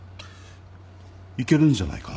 いけるんじゃないかな。